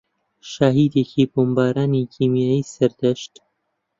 شاهێدێکی بۆمبارانی کیمیایی سەردەشت